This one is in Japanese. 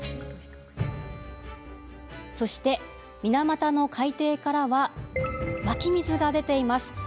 そして、水俣の海底からは湧き水が出ています。